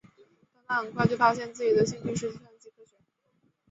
但他很快就发现自己的兴趣是计算机科学。